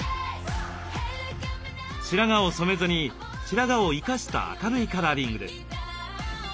白髪を染めずに白髪を生かした明るいカラーリングです。